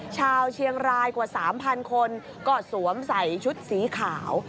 ชาวเชียงรายกว่า๓๐๐คนก็สวมใส่ชุดสีขาว